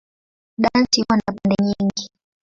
Dansi huwa na pande nyingi.